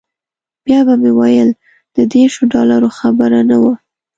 بیا به مې ویل د دیرشو ډالرو خبره نه وه.